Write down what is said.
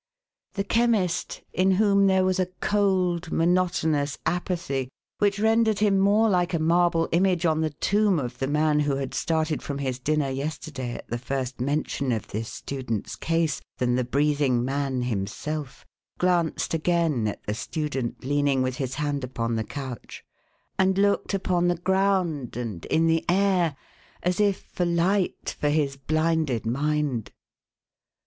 The Chemist, in whom there was a cold, monotonous apathv, which rendered him more like a marble image on the tomb of the man who had started from his dinner yesterday at the first mention of this student's case, than the breathing man himself, glanced again at the student leaning with his hand upon the couch, and looked upon the ground, and in the air, as if for light for his blinded mind.